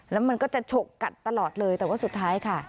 แล้วมันก็จะฉกกัดตลอดเลยแต่ว่าสุดท้ายค่ะ